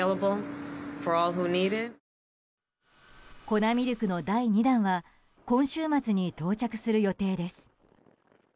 粉ミルクの第２弾は今週末に到着する予定です。